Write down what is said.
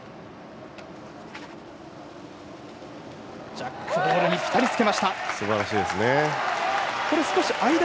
ジャックボールにぴったりつけました。